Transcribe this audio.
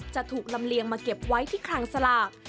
จะถูกลำเลียงมาเก็บไว้ที่คลังสลาก